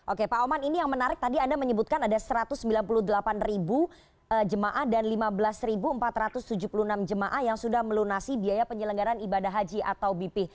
oke pak oman ini yang menarik tadi anda menyebutkan ada satu ratus sembilan puluh delapan jemaah dan lima belas empat ratus tujuh puluh enam jemaah yang sudah melunasi biaya penyelenggaran ibadah haji atau bp